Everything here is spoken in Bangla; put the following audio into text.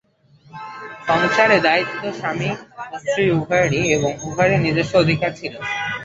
সংসারের দায়িত্ব স্বামী ও স্ত্রী উভয়েরই এবং উভয়েরই নিজস্ব অধিকার ছিল।